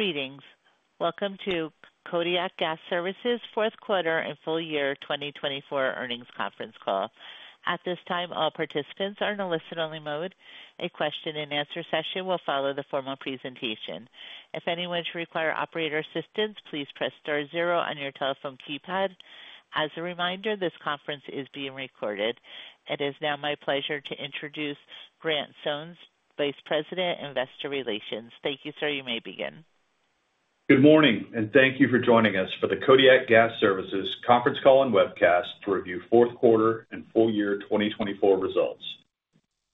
Greetings. Welcome to Kodiak Gas Services' Fourth Quarter and Full Year 2024 Earnings Conference Call. At this time, all participants are in a listen-only mode. A question-and-answer session will follow the formal presentation. If anyone should require operator assistance, please press star zero on your telephone keypad. As a reminder, this conference is being recorded. It is now my pleasure to introduce Graham Sones, Vice President, Investor Relations. Thank you, sir. You may begin. Good morning, and thank you for joining us for the Kodiak Gas Services conference call and webcast to review fourth quarter and full year 2024 results.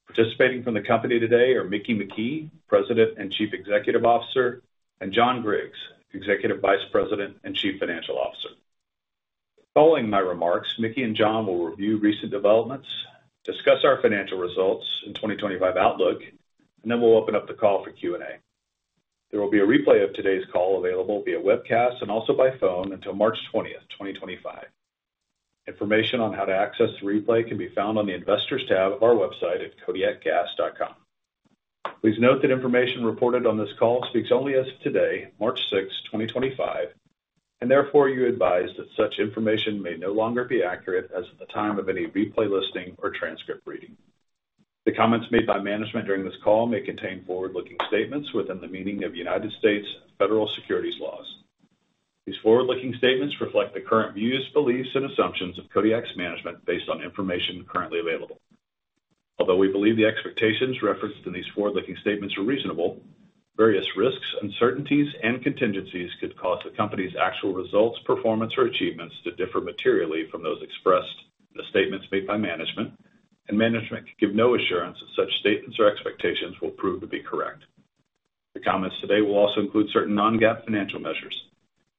Participating from the company today are Mickey McKee, President and Chief Executive Officer, and John Griggs, Executive Vice President and Chief Financial Officer. Following my remarks, Mickey and John will review recent developments, discuss our financial results and 2025 outlook, and then we'll open up the call for Q&A. There will be a replay of today's call available via webcast and also by phone until March 20th, 2025. Information on how to access the replay can be found on the Investors tab of our website at kodiakgas.com. Please note that information reported on this call speaks only as of today, March 6th, 2025, and therefore we advise that such information may no longer be accurate as at the time of any replay listening or transcript reading. The comments made by management during this call may contain forward-looking statements within the meaning of United States and federal securities laws. These forward-looking statements reflect the current views, beliefs, and assumptions of Kodiak's management based on information currently available. Although we believe the expectations referenced in these forward-looking statements are reasonable, various risks, uncertainties, and contingencies could cause the company's actual results, performance, or achievements to differ materially from those expressed in the statements made by management, and management can give no assurance that such statements or expectations will prove to be correct. The comments today will also include certain non-GAAP financial measures.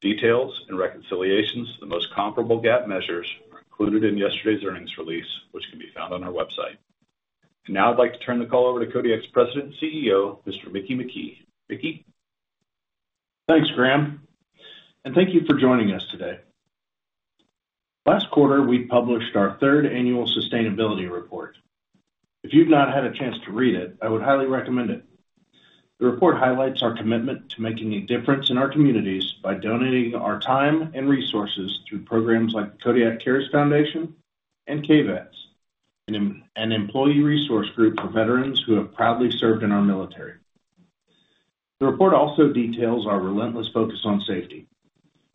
Details and reconciliations of the most comparable GAAP measures are included in yesterday's earnings release, which can be found on our website. And now I'd like to turn the call over to Kodiak's President and CEO, Mr. Mickey McKee. Mickey. Thanks, Graham. And thank you for joining us today. Last quarter, we published our third annual sustainability report. If you've not had a chance to read it, I would highly recommend it. The report highlights our commitment to making a difference in our communities by donating our time and resources through programs like the Kodiak Cares Foundation and KVETS, an employee resource group for veterans who have proudly served in our military. The report also details our relentless focus on safety.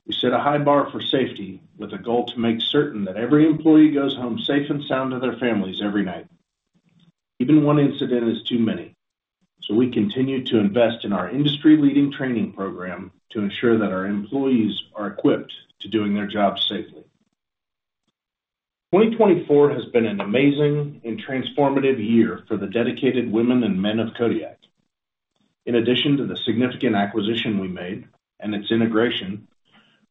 We set a high bar for safety with a goal to make certain that every employee goes home safe and sound to their families every night. Even one incident is too many, so we continue to invest in our industry-leading training program to ensure that our employees are equipped to doing their jobs safely. 2024 has been an amazing and transformative year for the dedicated women and men of Kodiak. In addition to the significant acquisition we made and its integration,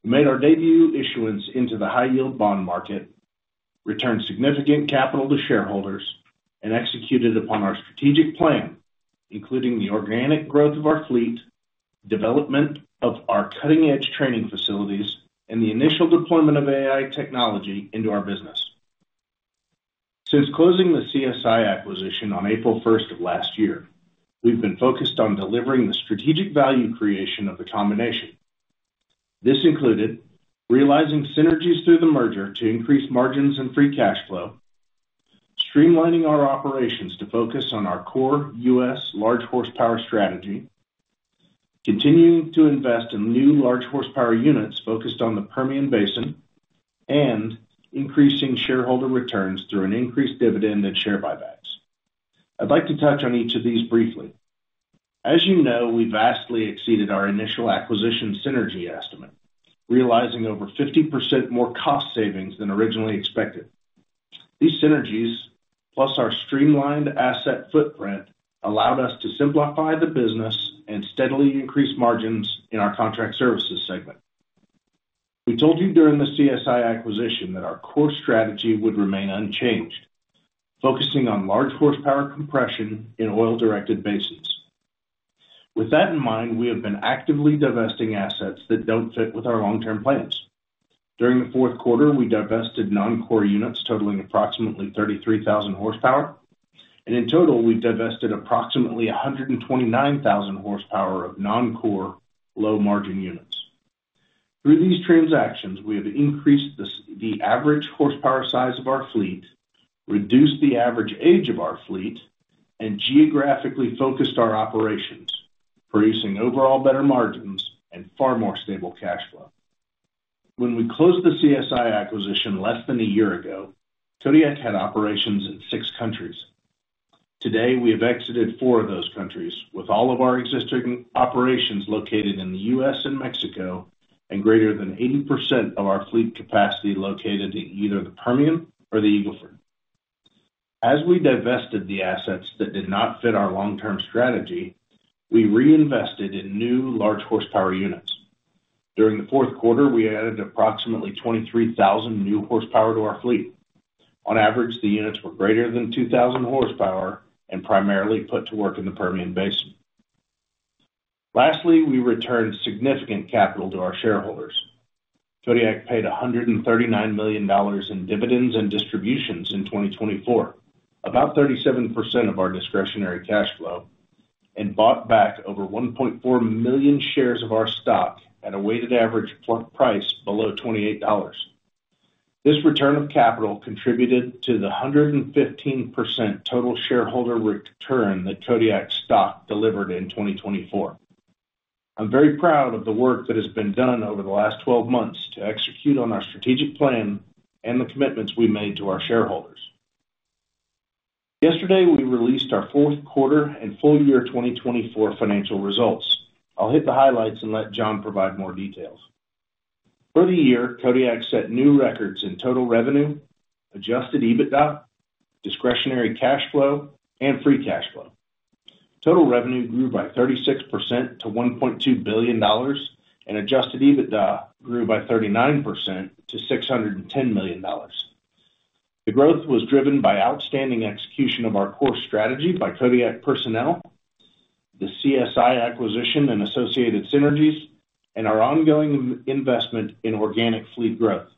we made our debut issuance into the high-yield bond market, returned significant capital to shareholders, and executed upon our strategic plan, including the organic growth of our fleet, the development of our cutting-edge training facilities, and the initial deployment of AI technology into our business. Since closing the CSI acquisition on April 1st of last year, we've been focused on delivering the strategic value creation of the combination. This included realizing synergies through the merger to increase margins and free cash flow, streamlining our operations to focus on our core U.S. large horsepower strategy, continuing to invest in new large horsepower units focused on the Permian Basin, and increasing shareholder returns through an increased dividend and share buybacks. I'd like to touch on each of these briefly. As you know, we vastly exceeded our initial acquisition synergy estimate, realizing over 50% more cost savings than originally expected. These synergies, plus our streamlined asset footprint, allowed us to simplify the business and steadily increase margins in our contract services segment. We told you during the CSI acquisition that our core strategy would remain unchanged, focusing on large horsepower compression in oil-directed basins. With that in mind, we have been actively divesting assets that don't fit with our long-term plans. During the fourth quarter, we divested non-core units totaling approximately 33,000 horsepower, and in total, we divested approximately 129,000 horsepower of non-core, low-margin units. Through these transactions, we have increased the average horsepower size of our fleet, reduced the average age of our fleet, and geographically focused our operations, producing overall better margins and far more stable cash flow. When we closed the CSI acquisition less than a year ago, Kodiak had operations in six countries. Today, we have exited four of those countries, with all of our existing operations located in the U.S. and Mexico, and greater than 80% of our fleet capacity located in either the Permian or the Eagle Ford. As we divested the assets that did not fit our long-term strategy, we reinvested in new large horsepower units. During the fourth quarter, we added approximately 23,000 new horsepower to our fleet. On average, the units were greater than 2,000 horsepower and primarily put to work in the Permian Basin. Lastly, we returned significant capital to our shareholders. Kodiak paid $139 million in dividends and distributions in 2024, about 37% of our discretionary cash flow, and bought back over 1.4 million shares of our stock at a weighted average price below $28. This return of capital contributed to the 115% total shareholder return that Kodiak's stock delivered in 2024. I'm very proud of the work that has been done over the last 12 months to execute on our strategic plan and the commitments we made to our shareholders. Yesterday, we released our fourth quarter and full year 2024 financial results. I'll hit the highlights and let John provide more details. For the year, Kodiak set new records in total revenue, Adjusted EBITDA, Discretionary Cash Flow, and Free Cash Flow. Total revenue grew by 36% to $1.2 billion, and Adjusted EBITDA grew by 39% to $610 million. The growth was driven by outstanding execution of our core strategy by Kodiak personnel, the CSI acquisition and associated synergies, and our ongoing investment in organic fleet growth.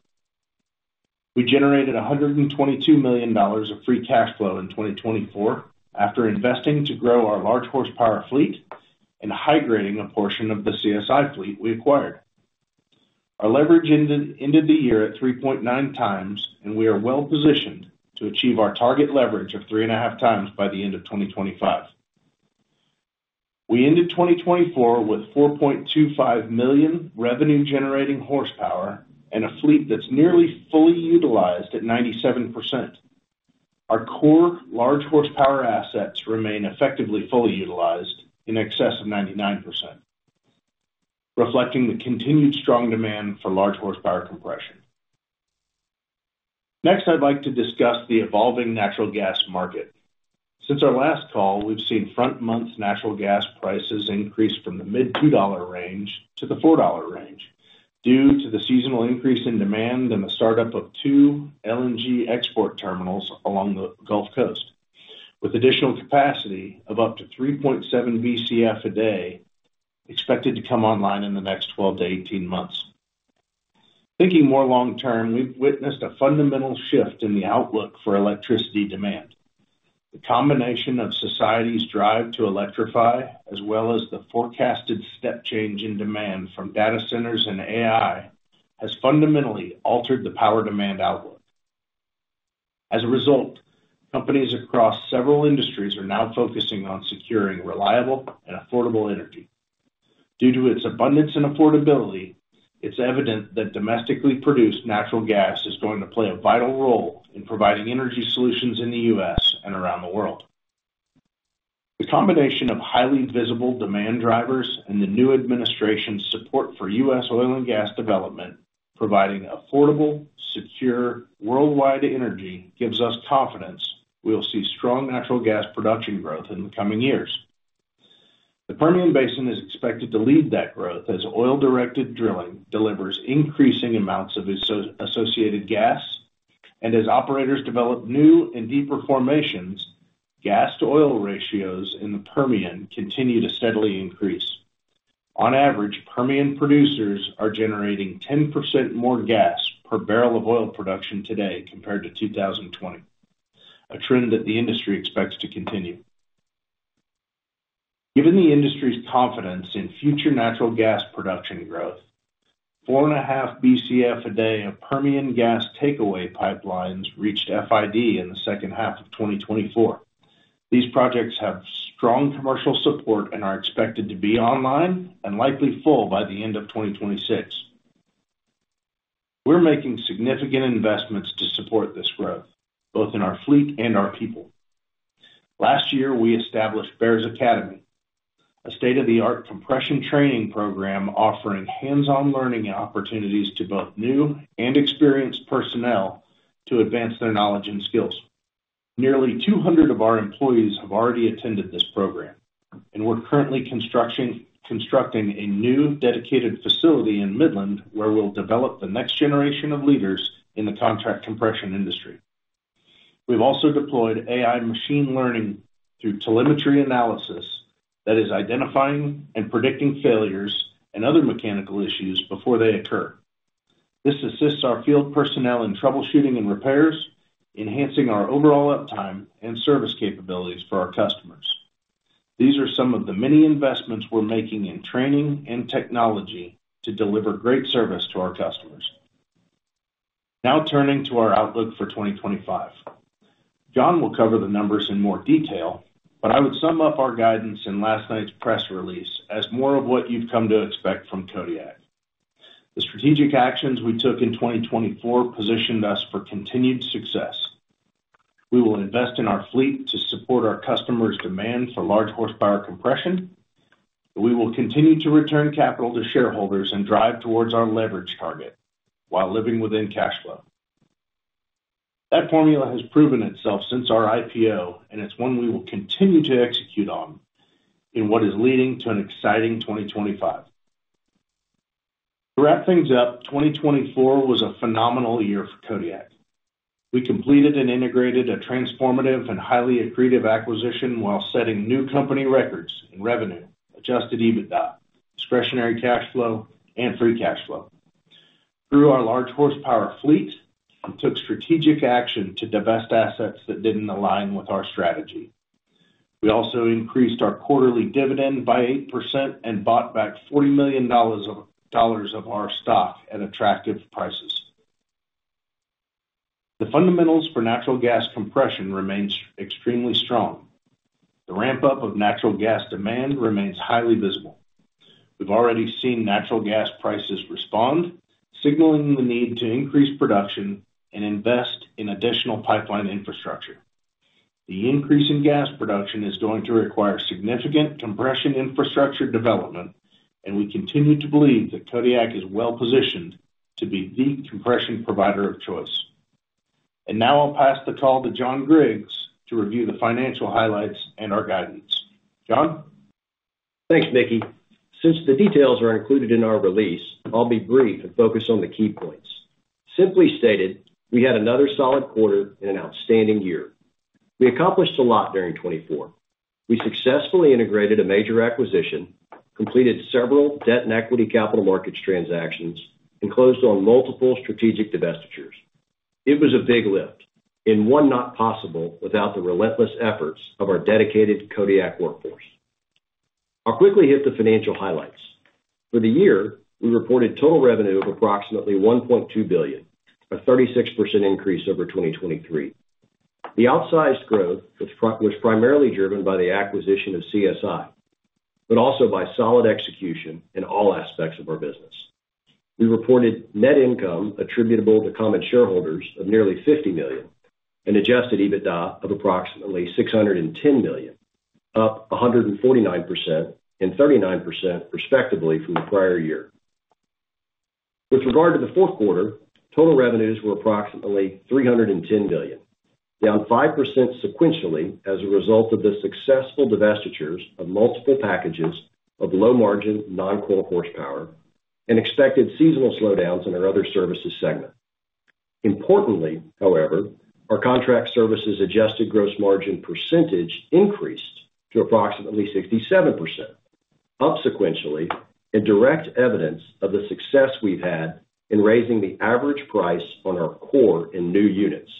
We generated $122 million of free cash flow in 2024 after investing to grow our large horsepower fleet and high-grading a portion of the CSI fleet we acquired. Our leverage ended the year at 3.9 times, and we are well-positioned to achieve our target leverage of 3.5 times by the end of 2025. We ended 2024 with 4.25 million revenue-generating horsepower and a fleet that's nearly fully utilized at 97%. Our core large horsepower assets remain effectively fully utilized in excess of 99%, reflecting the continued strong demand for large horsepower compression. Next, I'd like to discuss the evolving natural gas market. Since our last call, we've seen front-month natural gas prices increase from the mid-$2 range to the $4 range due to the seasonal increase in demand and the startup of two LNG export terminals along the Gulf Coast, with additional capacity of up to 3.7 BCF a day expected to come online in the next 12-18 months. Thinking more long-term, we've witnessed a fundamental shift in the outlook for electricity demand. The combination of society's drive to electrify, as well as the forecasted step change in demand from data centers and AI, has fundamentally altered the power demand outlook. As a result, companies across several industries are now focusing on securing reliable and affordable energy. Due to its abundance and affordability, it's evident that domestically produced natural gas is going to play a vital role in providing energy solutions in the U.S. and around the world. The combination of highly visible demand drivers and the new administration's support for U.S. oil and gas development, providing affordable, secure, worldwide energy, gives us confidence we'll see strong natural gas production growth in the coming years. The Permian Basin is expected to lead that growth as oil-directed drilling delivers increasing amounts of associated gas, and as operators develop new and deeper formations, gas-to-oil ratios in the Permian continue to steadily increase. On average, Permian producers are generating 10% more gas per barrel of oil production today compared to 2020, a trend that the industry expects to continue. Given the industry's confidence in future natural gas production growth, 4.5 BCF a day of Permian gas takeaway pipelines reached FID in the second half of 2024. These projects have strong commercial support and are expected to be online and likely full by the end of 2026. We're making significant investments to support this growth, both in our fleet and our people. Last year, we established BEARS Academy, a state-of-the-art compression training program offering hands-on learning opportunities to both new and experienced personnel to advance their knowledge and skills. Nearly 200 of our employees have already attended this program, and we're currently constructing a new dedicated facility in Midland where we'll develop the next generation of leaders in the contract compression industry. We've also deployed AI machine learning through telemetry analysis that is identifying and predicting failures and other mechanical issues before they occur. This assists our field personnel in troubleshooting and repairs, enhancing our overall uptime and service capabilities for our customers. These are some of the many investments we're making in training and technology to deliver great service to our customers. Now turning to our outlook for 2025, John will cover the numbers in more detail, but I would sum up our guidance in last night's press release as more of what you've come to expect from Kodiak. The strategic actions we took in 2024 positioned us for continued success. We will invest in our fleet to support our customers' demand for large horsepower compression, but we will continue to return capital to shareholders and drive towards our leverage target while living within cash flow. That formula has proven itself since our IPO, and it's one we will continue to execute on in what is leading to an exciting 2025. To wrap things up, 2024 was a phenomenal year for Kodiak. We completed and integrated a transformative and highly accretive acquisition while setting new company records in revenue, Adjusted EBITDA, Discretionary Cash Flow, and Free Cash Flow. Through our large horsepower fleet, we took strategic action to divest assets that didn't align with our strategy. We also increased our quarterly dividend by 8% and bought back $40 million of our stock at attractive prices. The fundamentals for natural gas compression remain extremely strong. The ramp-up of natural gas demand remains highly visible. We've already seen natural gas prices respond, signaling the need to increase production and invest in additional pipeline infrastructure. The increase in gas production is going to require significant compression infrastructure development, and we continue to believe that Kodiak is well-positioned to be the compression provider of choice. And now I'll pass the call to John Griggs to review the financial highlights and our guidance. John? Thanks, Mickey. Since the details are included in our release, I'll be brief and focus on the key points. Simply stated, we had another solid quarter and an outstanding year. We accomplished a lot during 2024. We successfully integrated a major acquisition, completed several debt and equity capital markets transactions, and closed on multiple strategic divestitures. It was a big lift, and one not possible without the relentless efforts of our dedicated Kodiak workforce. I'll quickly hit the financial highlights. For the year, we reported total revenue of approximately $1.2 billion, a 36% increase over 2023. The outsized growth was primarily driven by the acquisition of CSI, but also by solid execution in all aspects of our business. We reported net income attributable to common shareholders of nearly $50 million and adjusted EBITDA of approximately $610 million, up 149% and 39% respectively from the prior year. With regard to the fourth quarter, total revenues were approximately $310 million, down 5% sequentially as a result of the successful divestitures of multiple packages of low-margin, non-core horsepower and expected seasonal slowdowns in our other services segment. Importantly, however, our contract services adjusted gross margin percentage increased to approximately 67%, up sequentially, and direct evidence of the success we've had in raising the average price on our core and new units,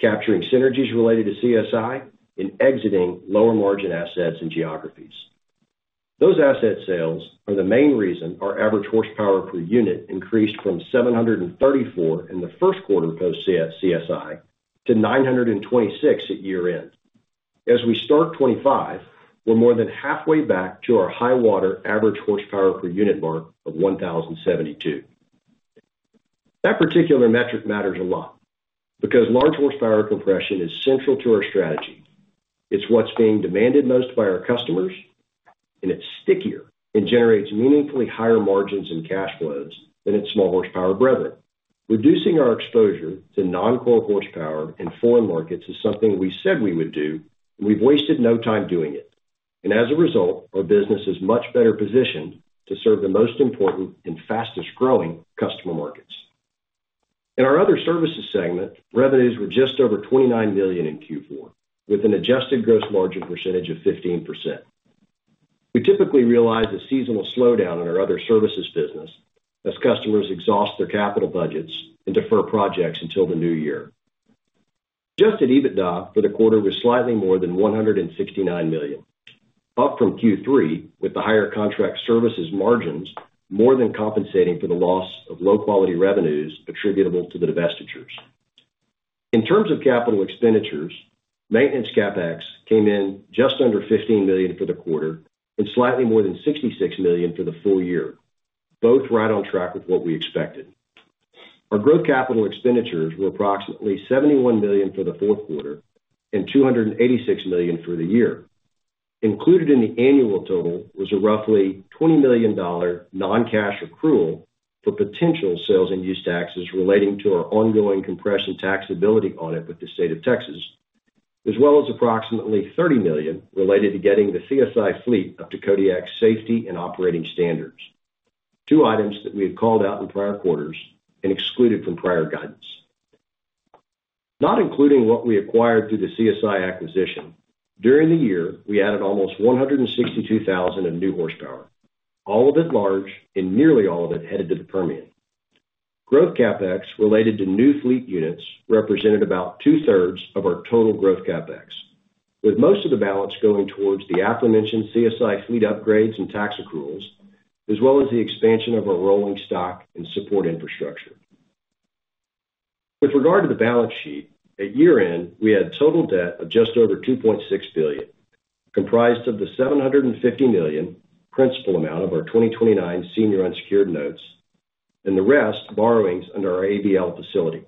capturing synergies related to CSI and exiting lower-margin assets and geographies. Those asset sales are the main reason our average horsepower per unit increased from 734 in the first quarter post-CSI to 926 at year-end. As we start 2025, we're more than halfway back to our high-water average horsepower per unit mark of 1,072. That particular metric matters a lot because large horsepower compression is central to our strategy. It's what's being demanded most by our customers, and it's stickier and generates meaningfully higher margins and cash flows than its small horsepower brethren. Reducing our exposure to non-core horsepower in foreign markets is something we said we would do, and we've wasted no time doing it. And as a result, our business is much better positioned to serve the most important and fastest-growing customer markets. In our other services segment, revenues were just over $29 million in Q4, with an adjusted gross margin percentage of 15%. We typically realize a seasonal slowdown in our other services business as customers exhaust their capital budgets and defer projects until the new year. Adjusted EBITDA for the quarter was slightly more than $169 million, up from Q3 with the higher contract services margins more than compensating for the loss of low-quality revenues attributable to the divestitures. In terms of capital expenditures, maintenance CapEx came in just under $15 million for the quarter and slightly more than $66 million for the full year, both right on track with what we expected. Our gross capital expenditures were approximately $71 million for the fourth quarter and $286 million for the year. Included in the annual total was a roughly $20 million non-cash accrual for potential sales and use taxes relating to our ongoing compression taxability audit with the state of Texas, as well as approximately $30 million related to getting the CSI fleet up to Kodiak's safety and operating standards, two items that we had called out in prior quarters and excluded from prior guidance. Not including what we acquired through the CSI acquisition, during the year, we added almost 162,000 of new horsepower, all of it large and nearly all of it headed to the Permian. Growth CapEx related to new fleet units represented about two-thirds of our total growth CapEx, with most of the balance going towards the aforementioned CSI fleet upgrades and tax accruals, as well as the expansion of our rolling stock and support infrastructure. With regard to the balance sheet, at year-end, we had total debt of just over $2.6 billion, comprised of the $750 million principal amount of our 2029 senior unsecured notes and the rest borrowings under our ABL facility.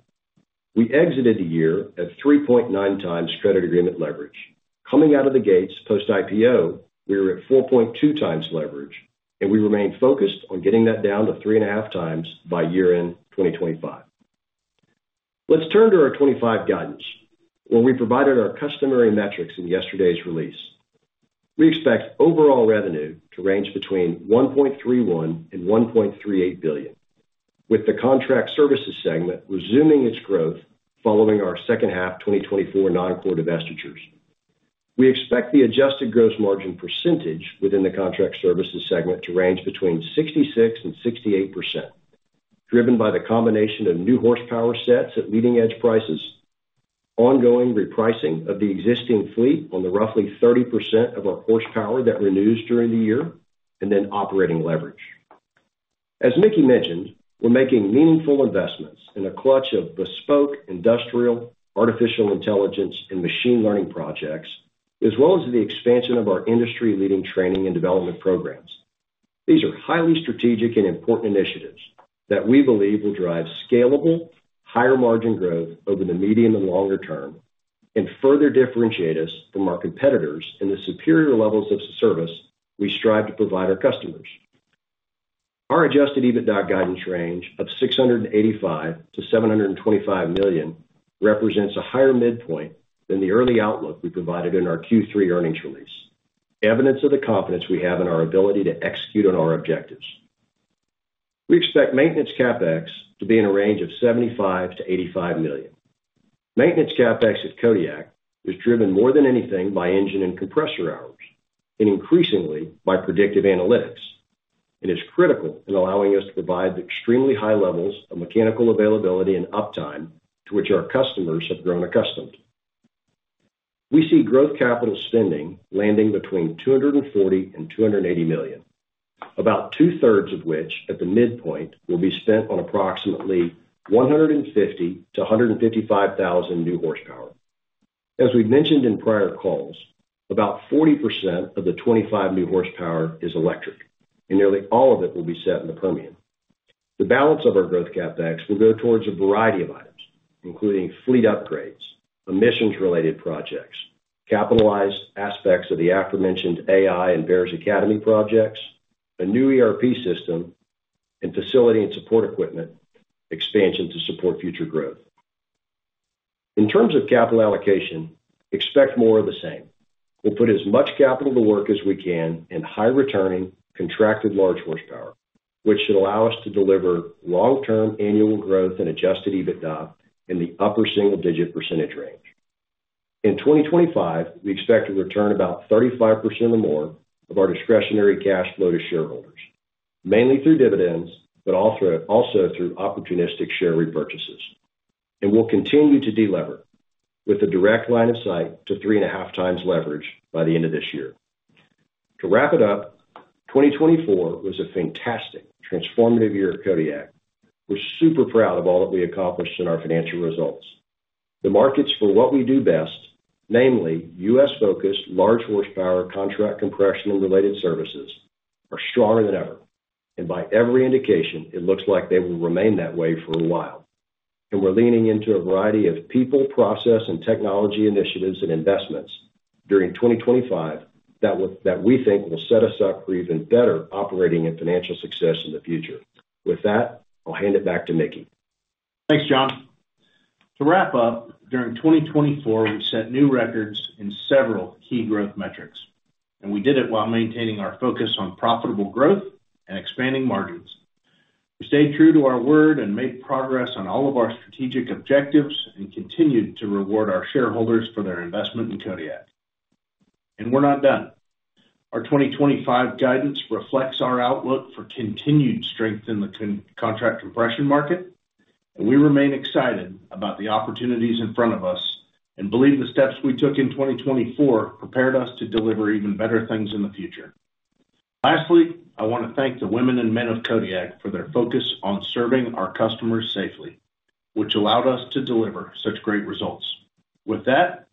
We exited the year at 3.9x credit agreement leverage. Coming out of the gates post-IPO, we were at 4.2x leverage, and we remained focused on getting that down to 3.5x by year-end 2025. Let's turn to our 2025 guidance, where we provided our customary metrics in yesterday's release. We expect overall revenue to range between $1.31 billion and $1.38 billion, with the contract services segment resuming its growth following our second half 2024 non-core divestitures. We expect the adjusted gross margin percentage within the contract services segment to range between 66% and 68%, driven by the combination of new horsepower sets at leading-edge prices, ongoing repricing of the existing fleet on the roughly 30% of our horsepower that renews during the year, and then operating leverage. As Mickey mentioned, we're making meaningful investments in a clutch of bespoke industrial, artificial intelligence, and machine learning projects, as well as the expansion of our industry-leading training and development programs. These are highly strategic and important initiatives that we believe will drive scalable, higher-margin growth over the medium and longer term and further differentiate us from our competitors in the superior levels of service we strive to provide our customers. Our Adjusted EBITDA guidance range of $685 million-$725 million represents a higher midpoint than the early outlook we provided in our Q3 earnings release, evidence of the confidence we have in our ability to execute on our objectives. We expect maintenance CapEx to be in a range of $75 million-$85 million. Maintenance CapEx at Kodiak is driven more than anything by engine and compressor hours and increasingly by predictive analytics. It is critical in allowing us to provide the extremely high levels of mechanical availability and uptime to which our customers have grown accustomed. We see growth capital spending landing between $240 and $280 million, about two-thirds of which at the midpoint will be spent on approximately $150,000-$155,000 new horsepower. As we've mentioned in prior calls, about 40% of the $25 million new horsepower is electric, and nearly all of it will be set in the Permian. The balance of our growth CapEx will go towards a variety of items, including fleet upgrades, emissions-related projects, capitalized aspects of the aforementioned AI and BEARS Academy projects, a new ERP system, and facility and support equipment expansion to support future growth. In terms of capital allocation, expect more of the same. We'll put as much capital to work as we can in high-returning, contracted large horsepower, which should allow us to deliver long-term annual growth and adjusted EBITDA in the upper single-digit percentage range. In 2025, we expect to return about 35% or more of our discretionary cash flow to shareholders, mainly through dividends, but also through opportunistic share repurchases. We'll continue to delever with a direct line of sight to 3.5x leverage by the end of this year. To wrap it up, 2024 was a fantastic, transformative year at Kodiak. We're super proud of all that we accomplished in our financial results. The markets for what we do best, namely U.S.-focused large horsepower contract compression and related services, are stronger than ever. By every indication, it looks like they will remain that way for a while. We're leaning into a variety of people, process, and technology initiatives and investments during 2025 that we think will set us up for even better operating and financial success in the future. With that, I'll hand it back to Mickey. Thanks, John. To wrap up, during 2024, we set new records in several key growth metrics, and we did it while maintaining our focus on profitable growth and expanding margins. We stayed true to our word and made progress on all of our strategic objectives and continued to reward our shareholders for their investment in Kodiak, and we're not done. Our 2025 guidance reflects our outlook for continued strength in the contract compression market, and we remain excited about the opportunities in front of us and believe the steps we took in 2024 prepared us to deliver even better things in the future. Lastly, I want to thank the women and men of Kodiak for their focus on serving our customers safely, which allowed us to deliver such great results. With that,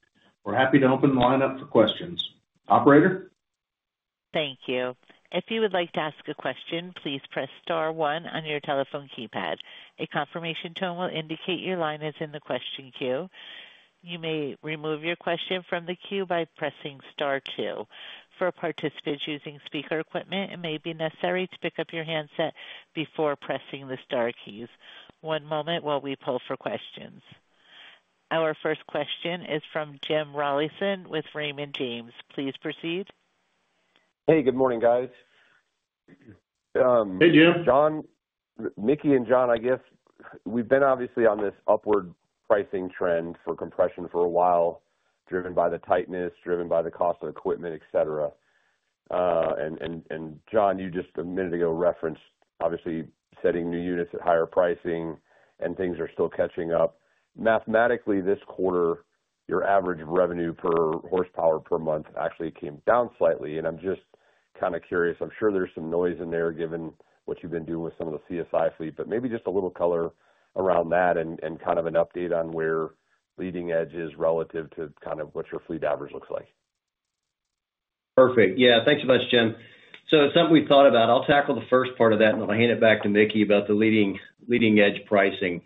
we're happy to open the line up for questions. Operator? Thank you. If you would like to ask a question, please press star one on your telephone keypad. A confirmation tone will indicate your line is in the question queue. You may remove your question from the queue by pressing star two. For participants using speaker equipment, it may be necessary to pick up your handset before pressing the star keys. One moment while we pull for questions. Our first question is from Jim Rollyson with Raymond James. Please proceed. Hey, good morning, guys. Hey, Jim. John, Mickey and John, I guess we've been obviously on this upward pricing trend for compression for a while, driven by the tightness, driven by the cost of equipment, etc. And John, you just a minute ago referenced obviously setting new units at higher pricing, and things are still catching up. Mathematically, this quarter, your average revenue per horsepower per month actually came down slightly. I'm just kind of curious. I'm sure there's some noise in there given what you've been doing with some of the CSI fleet, but maybe just a little color around that and kind of an update on where leading edge is relative to kind of what your fleet average looks like. Perfect. Yeah, thanks so much, Jim. It's something we've thought about. I'll tackle the first part of that, and then I'll hand it back to Mickey about the leading edge pricing.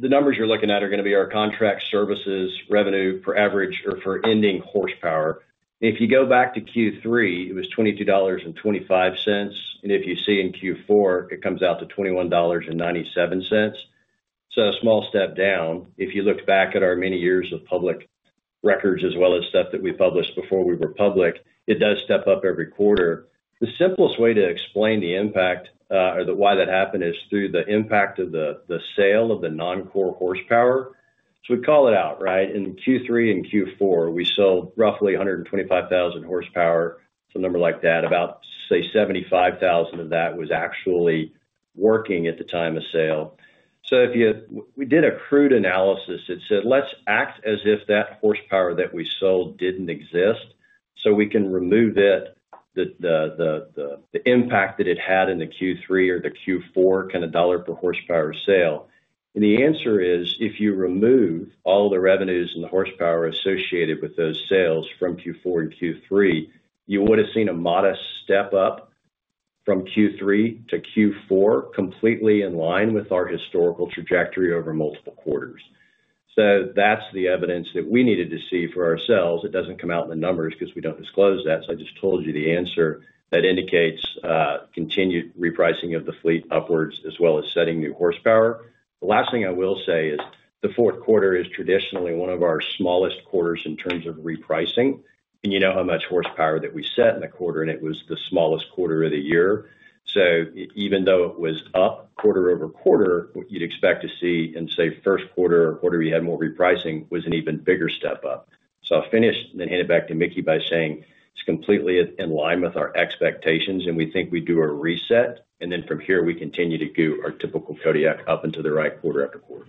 The numbers you're looking at are going to be our contract services revenue for average or for ending horsepower. If you go back to Q3, it was $22.25, and if you see in Q4, it comes out to $21.97. A small step down. If you looked back at our many years of public records as well as stuff that we published before we were public, it does step up every quarter. The simplest way to explain the impact or why that happened is through the impact of the sale of the non-core horsepower. So we call it out, right? In Q3 and Q4, we sold roughly 125,000 horsepower, some number like that. About, say, 75,000 of that was actually working at the time of sale. We did a crude analysis that said, "Let's act as if that horsepower that we sold didn't exist so we can remove the impact that it had in the Q3 or the Q4 kind of dollar per horsepower sale." The answer is, if you remove all the revenues and the horsepower associated with those sales from Q4 and Q3, you would have seen a modest step up from Q3 to Q4 completely in line with our historical trajectory over multiple quarters. That's the evidence that we needed to see for ourselves. It doesn't come out in the numbers because we don't disclose that. I just told you the answer that indicates continued repricing of the fleet upwards as well as setting new horsepower. The last thing I will say is the fourth quarter is traditionally one of our smallest quarters in terms of repricing. You know how much horsepower that we set in the quarter, and it was the smallest quarter of the year. Even though it was up quarter over quarter, what you'd expect to see in, say, first quarter or quarter we had more repricing was an even bigger step up. I'll finish and then hand it back to Mickey by saying it's completely in line with our expectations, and we think we do a reset. Then from here, we continue to go our typical Kodiak up into the right quarter after quarter.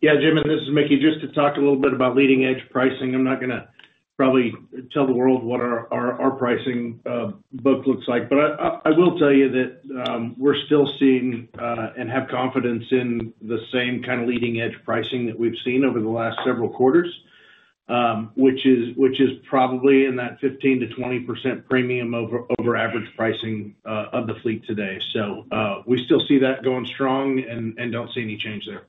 Yeah, Jim. This is Mickey. Just to talk a little bit about leading edge pricing. I'm not going to probably tell the world what our pricing book looks like, but I will tell you that we're still seeing and have confidence in the same kind of leading edge pricing that we've seen over the last several quarters, which is probably in that 15%-20% premium over average pricing of the fleet today. So we still see that going strong and don't see any change there.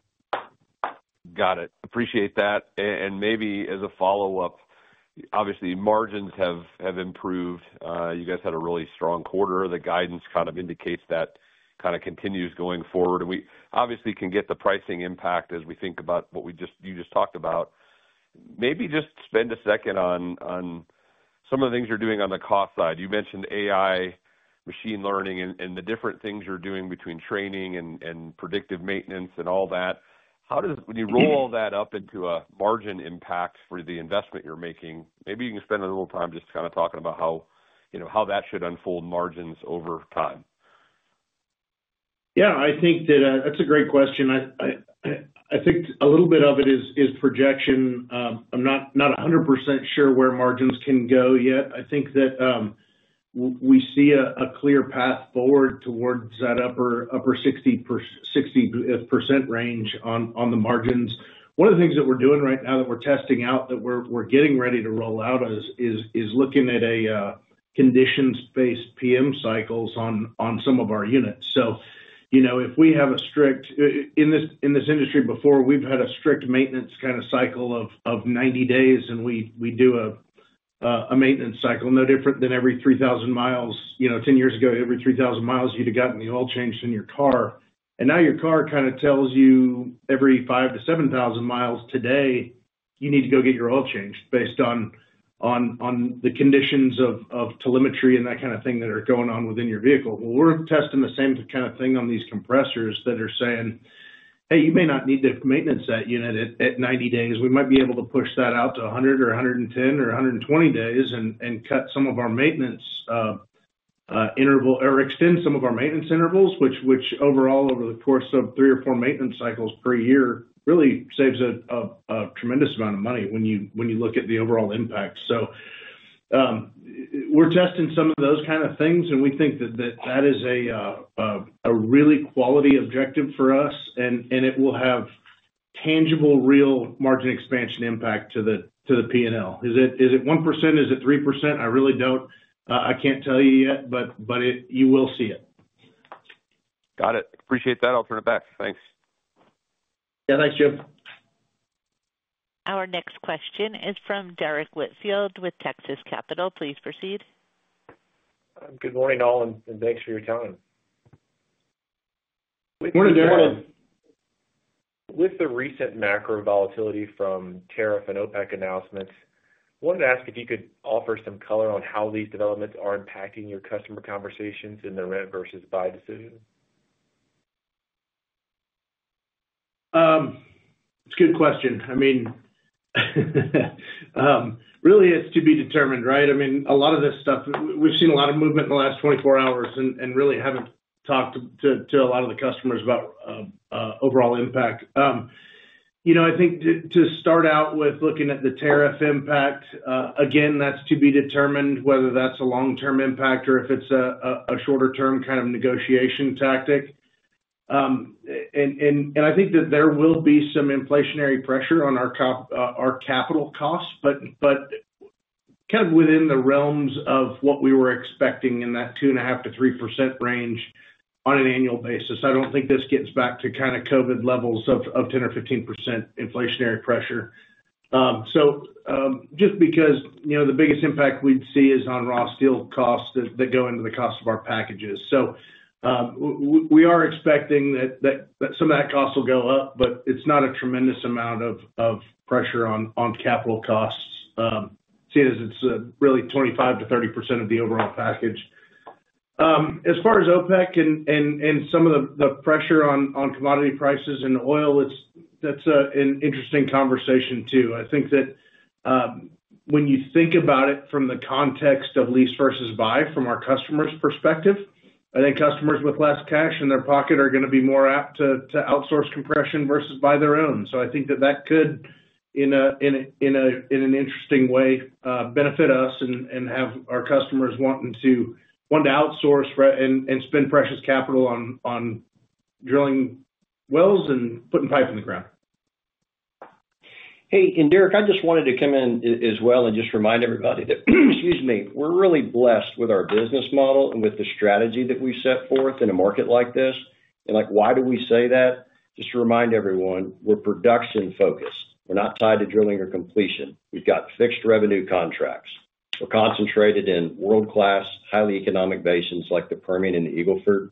Got it. Appreciate that. And maybe as a follow-up, obviously, margins have improved. You guys had a really strong quarter. The guidance kind of indicates that kind of continues going forward. And we obviously can get the pricing impact as we think about what you just talked about. Maybe just spend a second on some of the things you're doing on the cost side. You mentioned AI, machine learning, and the different things you're doing between training and predictive maintenance and all that. When you roll all that up into a margin impact for the investment you're making, maybe you can spend a little time just kind of talking about how that should unfold margins over time. Yeah, I think that that's a great question. I think a little bit of it is projection. I'm not 100% sure where margins can go yet. I think that we see a clear path forward towards that upper 60% range on the margins. One of the things that we're doing right now that we're testing out that we're getting ready to roll out is looking at condition-based PM cycles on some of our units. So if we've had a strict regime in this industry before, we've had a strict maintenance kind of cycle of 90 days, and we do a maintenance cycle no different than every 3,000 mi. 10 years ago, every 3,000 mi, you'd have gotten the oil changed in your car. And now your car kind of tells you every 5,000 mi-7,000 mi today, you need to go get your oil changed based on the conditions of telemetry and that kind of thing that are going on within your vehicle. Well, we're testing the same kind of thing on these compressors that are saying, "Hey, you may not need to maintain that unit at 90 days. We might be able to push that out to 100 or 110 or 120 days and cut some of our maintenance interval or extend some of our maintenance intervals," which overall, over the course of three or four maintenance cycles per year, really saves a tremendous amount of money when you look at the overall impact. So we're testing some of those kind of things, and we think that that is a really quality objective for us, and it will have tangible real margin expansion impact to the P&L. Is it 1%? Is it 3%? I really don't. I can't tell you yet, but you will see it. Got it. Appreciate that. I'll turn it back. Thanks. Yeah, thanks, Jim. Our next question is from Derrick Whitfield with Texas Capital. Please proceed. Good morning, all, and thanks for your time. Good morning, Jeremy. With the recent macro volatility from tariff and OPEC announcements, I wanted to ask if you could offer some color on how these developments are impacting your customer conversations in the rent versus buy decision. It's a good question. I mean, really, it's to be determined, right? I mean, a lot of this stuff, we've seen a lot of movement in the last 24 hours and really haven't talked to a lot of the customers about overall impact. I think to start out with looking at the tariff impact, again, that's to be determined whether that's a long-term impact or if it's a shorter-term kind of negotiation tactic. And I think that there will be some inflationary pressure on our capital costs, but kind of within the realms of what we were expecting in that 2.5%-3% range on an annual basis. I don't think this gets back to kind of COVID levels of 10% or 15% inflationary pressure. So just because the biggest impact we'd see is on raw steel costs that go into the cost of our packages. So we are expecting that some of that cost will go up, but it's not a tremendous amount of pressure on capital costs. See it as it's really 25%-30% of the overall package. As far as OPEC and some of the pressure on commodity prices and oil, that's an interesting conversation too. I think that when you think about it from the context of lease versus buy from our customer's perspective, I think customers with less cash in their pocket are going to be more apt to outsource compression versus buy their own. I think that that could, in an interesting way, benefit us and have our customers wanting to outsource and spend precious capital on drilling wells and putting pipe in the ground. Hey, and Derrick, I just wanted to come in as well and just remind everybody that, excuse me, we're really blessed with our business model and with the strategy that we set forth in a market like this. And why do we say that? Just to remind everyone, we're production-focused. We're not tied to drilling or completion. We've got fixed revenue contracts. We're concentrated in world-class, highly economic basins like the Permian and the Eagle Ford.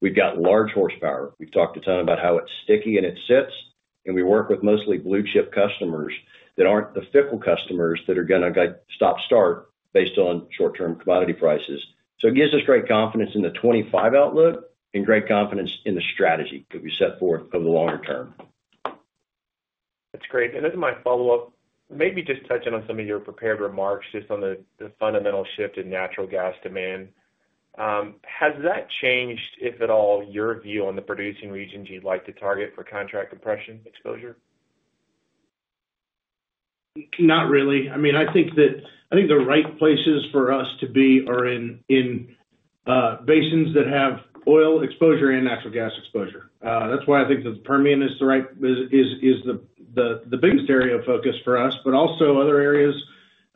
We've got large horsepower. We've talked a ton about how it's sticky and it sits, and we work with mostly blue-chip customers that aren't the fickle customers that are going to stop start based on short-term commodity prices. So it gives us great confidence in the 2025 outlook and great confidence in the strategy that we set forth over the longer term. That's great. And as my follow-up, maybe just touching on some of your prepared remarks just on the fundamental shift in natural gas demand, has that changed, if at all, your view on the producing regions you'd like to target for contract compression exposure? Not really. I mean, I think the right places for us to be are in basins that have oil exposure and natural gas exposure. That's why I think that the Permian is the biggest area of focus for us, but also other areas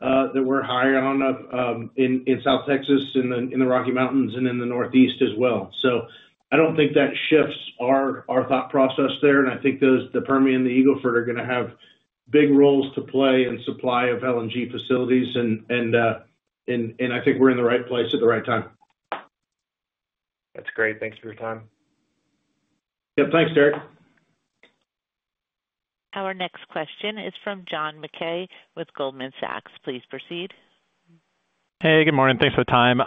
that we're higher on in South Texas in the Rocky Mountains and in the Northeast as well. So I don't think that shifts our thought process there. And I think the Permian and the Eagle Ford are going to have big roles to play in supply of LNG facilities, and I think we're in the right place at the right time. That's great. Thanks for your time. Yep. Thanks, Derek. Our next question is from John Mackay with Goldman Sachs. Please proceed. Hey, good morning. Thanks for the time.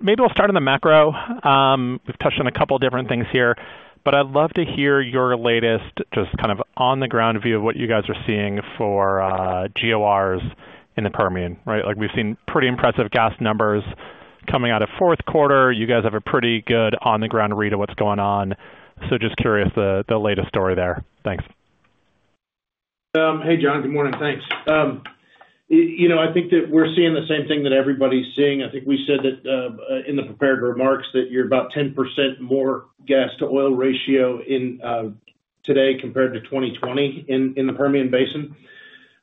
Maybe we'll start on the macro. We've touched on a couple of different things here, but I'd love to hear your latest just kind of on-the-ground view of what you guys are seeing for GORs in the Permian, right? We've seen pretty impressive gas numbers coming out of fourth quarter. You guys have a pretty good on-the-ground read of what's going on. So just curious the latest story there. Thanks. Hey, John. Good morning. Thanks. I think that we're seeing the same thing that everybody's seeing. I think we said in the prepared remarks that you're about 10% more gas-to-oil ratio today compared to 2020 in the Permian Basin.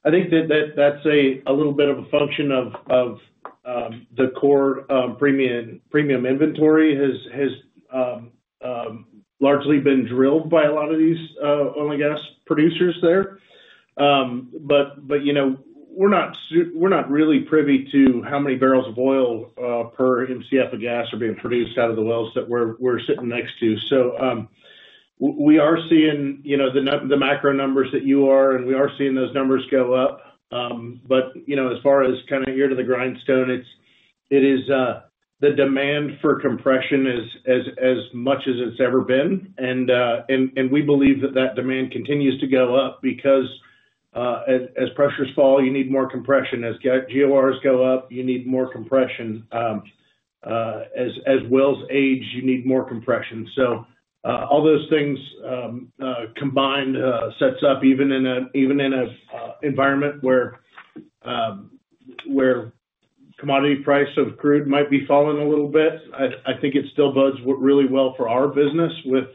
I think that that's a little bit of a function of the core premium inventory has largely been drilled by a lot of these oil and gas producers there. But we're not really privy to how many barrels of oil per MCF of gas are being produced out of the wells that we're sitting next to. So we are seeing the macro numbers that you are, and we are seeing those numbers go up. But as far as kind of nose to the grindstone, it is the demand for compression as much as it's ever been. And we believe that that demand continues to go up because as pressures fall, you need more compression. As GORs go up, you need more compression. As wells age, you need more compression. So all those things combined sets up even in an environment where commodity price of crude might be falling a little bit. I think it still bodes really well for our business with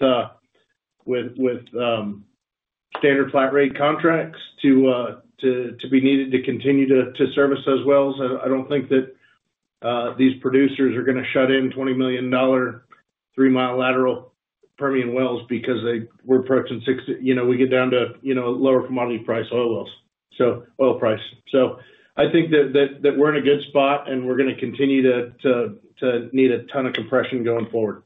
standard flat-rate contracts to be needed to continue to service those wells. I don't think that these producers are going to shut in $20 million three-mile lateral Permian wells because we're approaching $60. We get down to lower commodity price oil wells, so oil price. So I think that we're in a good spot, and we're going to continue to need a ton of compression going forward.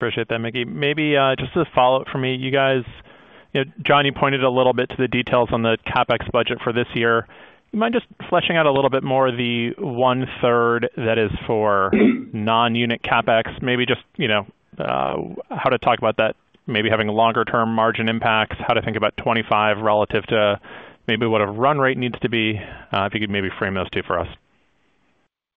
Appreciate that, Mickey. Maybe just a follow-up for me. John, you pointed a little bit to the details on the CapEx budget for this year. You mind just fleshing out a little bit more the one-third that is for non-unit CapEx? Maybe just how to talk about that, maybe having longer-term margin impacts, how to think about 2025 relative to maybe what a run rate needs to be, if you could maybe frame those two for us.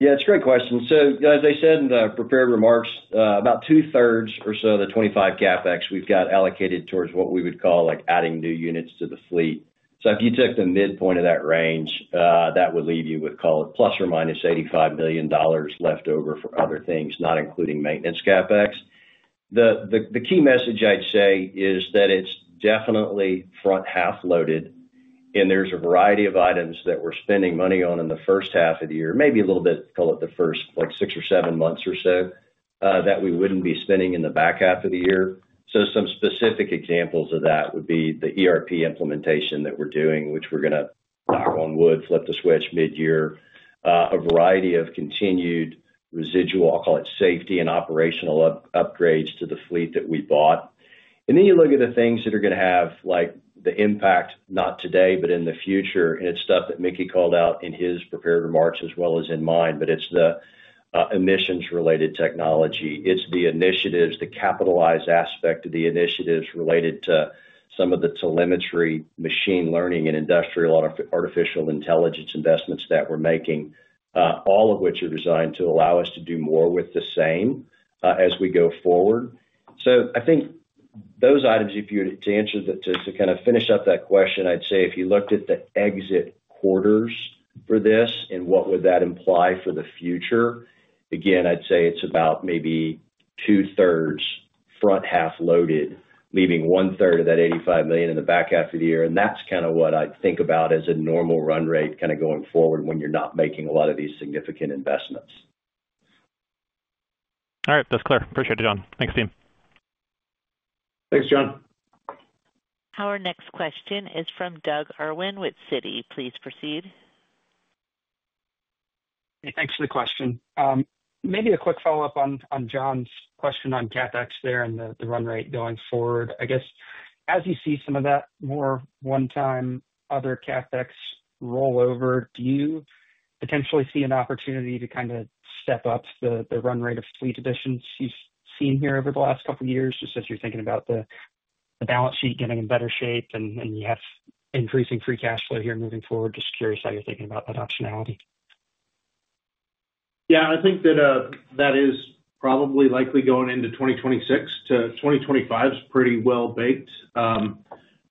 Yeah, it's a great question. So as I said in the prepared remarks, about two-thirds or so of the 2025 CapEx we've got allocated towards what we would call adding new units to the fleet. So if you took the midpoint of that range, that would leave you with, call it, plus or minus $85 million left over for other things, not including maintenance CapEx. The key message I'd say is that it's definitely front half loaded, and there's a variety of items that we're spending money on in the first half of the year, maybe a little bit, call it the first six or seven months or so, that we wouldn't be spending in the back half of the year. So some specific examples of that would be the ERP implementation that we're doing, which we're going to knock on wood, flip the switch mid-year, a variety of continued residual, I'll call it safety and operational upgrades to the fleet that we bought. And then you look at the things that are going to have the impact, not today, but in the future, and it's stuff that Mickey called out in his prepared remarks as well as in mine, but it's the emissions-related technology. It's the initiatives, the capitalized aspect of the initiatives related to some of the telemetry, machine learning, and industrial artificial intelligence investments that we're making, all of which are designed to allow us to do more with the same as we go forward. So I think those items, if you were to answer to kind of finish up that question, I'd say if you looked at the exit quarters for this and what would that imply for the future, again, I'd say it's about maybe two-thirds front half loaded, leaving one-third of that $85 million in the back half of the year. And that's kind of what I think about as a normal run rate kind of going forward when you're not making a lot of these significant investments. All right. That's clear. Appreciate it, John. Thanks, team. Thanks, John. Our next question is from Doug Irwin with Citi. Please proceed. Thanks for the question. Maybe a quick follow-up on John's question on CapEx there and the run rate going forward. I guess as you see some of that more one-time other CapEx rollover, do you potentially see an opportunity to kind of step up the run rate of fleet additions you've seen here over the last couple of years just as you're thinking about the balance sheet getting in better shape and you have increasing free cash flow here moving forward? Just curious how you're thinking about that optionality. Yeah, I think that is probably likely going into 2026 to 2025 is pretty well baked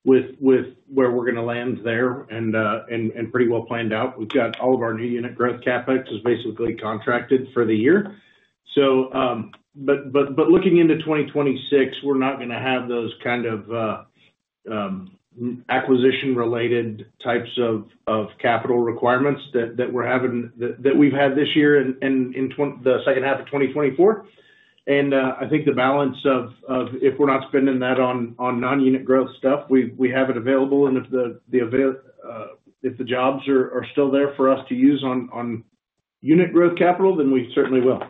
with where we're going to land there and pretty well planned out. We've got all of our new unit growth CapEx is basically contracted for the year. But looking into 2026, we're not going to have those kind of acquisition-related types of capital requirements that we've had this year in the second half of 2024. And I think the balance of if we're not spending that on non-unit growth stuff, we have it available. And if the jobs are still there for us to use on unit growth capital, then we certainly will.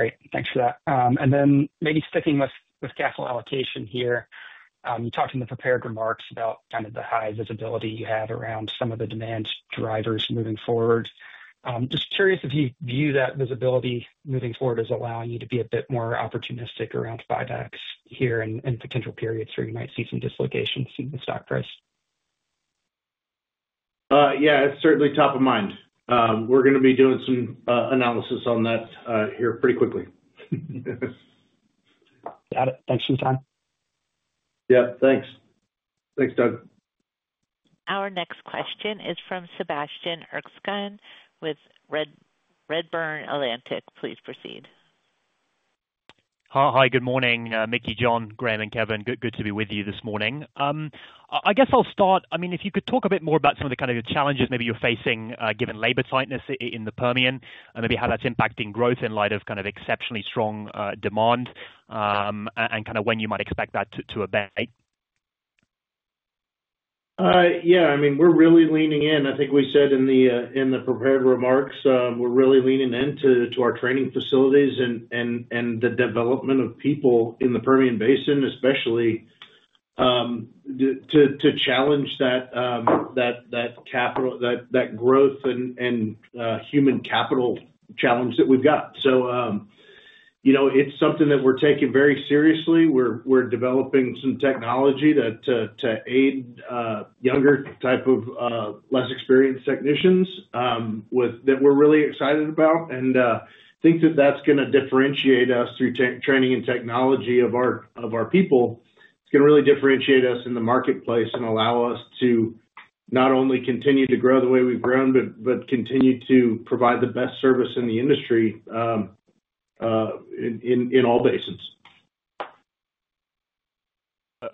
Great. Thanks for that. And then maybe sticking with capital allocation here, you talked in the prepared remarks about kind of the high visibility you have around some of the demand drivers moving forward. Just curious if you view that visibility moving forward as allowing you to be a bit more opportunistic around buybacks here in potential periods where you might see some dislocations in the stock price? Yeah, it's certainly top of mind. We're going to be doing some analysis on that here pretty quickly. Got it. Thanks for your time. Yep. Thanks. Thanks, Doug. Our next question is from Sebastian Erskine with Redburn Atlantic. Please proceed. Hi, good morning. Mickey, John, Graham, and Kevin. Good to be with you this morning. I guess I'll start. I mean, if you could talk a bit more about some of the kind of challenges maybe you're facing given labor tightness in the Permian and maybe how that's impacting growth in light of kind of exceptionally strong demand and kind of when you might expect that to abate? Yeah. I mean, we're really leaning in. I think we said in the prepared remarks, we're really leaning into our training facilities and the development of people in the Permian basin, especially to challenge that growth and human capital challenge that we've got. It's something that we're taking very seriously. We're developing some technology to aid younger type of less experienced technicians that we're really excited about. And I think that that's going to differentiate us through training and technology of our people. It's going to really differentiate us in the marketplace and allow us to not only continue to grow the way we've grown, but continue to provide the best service in the industry in all basins.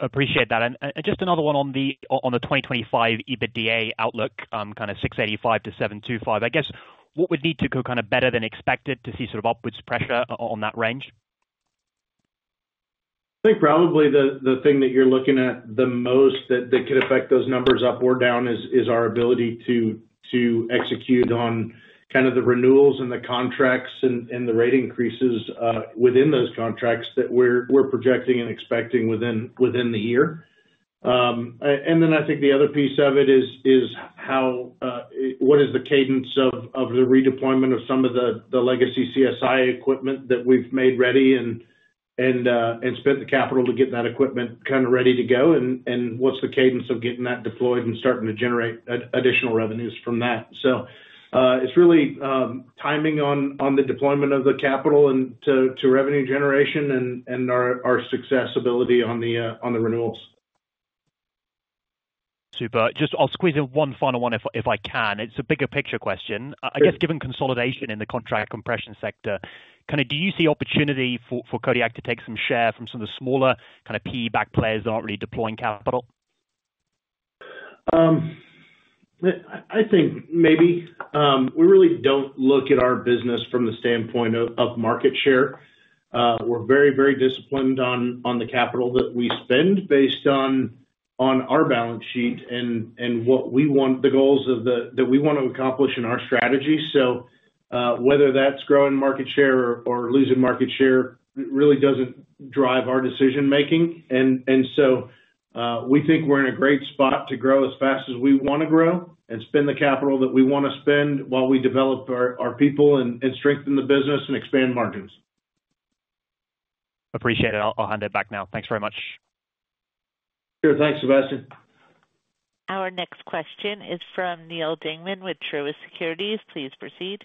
Appreciate that. And just another one on the 2025 EBITDA outlook, kind of $685-$725. I guess what would need to go kind of better than expected to see sort of upwards pressure on that range? I think probably the thing that you're looking at the most that could affect those numbers up or down is our ability to execute on kind of the renewals and the contracts and the rate increases within those contracts that we're projecting and expecting within the year, and then I think the other piece of it is what is the cadence of the redeployment of some of the legacy CSI equipment that we've made ready and spent the capital to get that equipment kind of ready to go, and what's the cadence of getting that deployed and starting to generate additional revenues from that, so it's really timing on the deployment of the capital and to revenue generation and our success ability on the renewals. Super. Just, I'll squeeze in one final one if I can. It's a bigger picture question. I guess given consolidation in the contract compression sector, kind of do you see opportunity for Kodiak to take some share from some of the smaller kind of PE-backed players that aren't really deploying capital? I think maybe. We really don't look at our business from the standpoint of market share. We're very, very disciplined on the capital that we spend based on our balance sheet and what we want, the goals that we want to accomplish in our strategy. So whether that's growing market share or losing market share really doesn't drive our decision-making. And so we think we're in a great spot to grow as fast as we want to grow and spend the capital that we want to spend while we develop our people and strengthen the business and expand margins. Appreciate it. I'll hand it back now. Thanks very much. Sure. Thanks, Sebastian. Our next question is from Neal Dingmann with Truist Securities. Please proceed.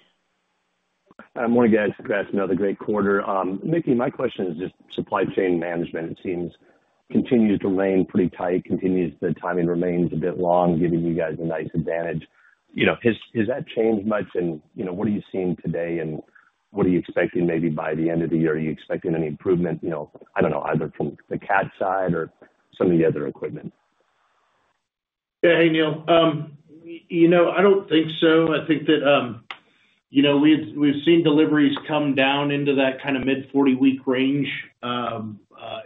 Morning, guys. Congrats on another great quarter. Mickey, my question is just supply chain management. It seems to remain pretty tight. The timing remains a bit long, giving you guys a nice advantage. Has that changed much? And what are you seeing today, and what are you expecting maybe by the end of the year? Are you expecting any improvement? I don't know, either from the CAT side or some of the other equipment. Yeah. Hey, Neil. I don't think so. I think that we've seen deliveries come down into that kind of mid-40-week range